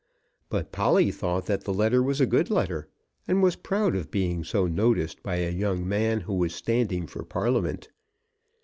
But Polly thought that the letter was a good letter; and was proud of being so noticed by a young man who was standing for Parliament.